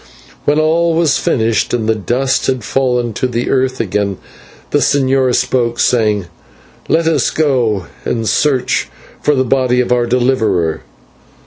When all was finished, and the dust had fallen to the earth again, the señor spoke, saying, "Let us go and search for the body of our deliverer."